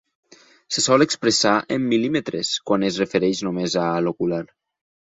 Se sol expressar en mil·límetres quan es refereix només a l'ocular.